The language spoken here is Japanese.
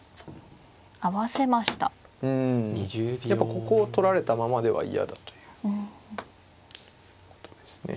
ここを取られたままでは嫌だということですね。